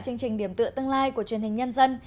chương trình điểm tựa tương lai của truyền hình nhân dân